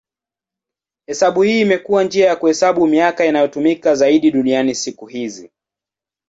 Hesabu hii imekuwa njia ya kuhesabu miaka inayotumika zaidi duniani siku hizi.